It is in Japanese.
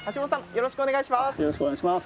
よろしくお願いします。